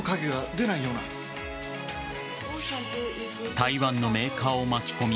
台湾のメーカーを巻き込み